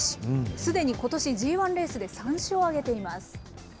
すでにことし、Ｇ１レースで３勝を挙げています。